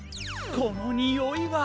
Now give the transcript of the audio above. このにおいは。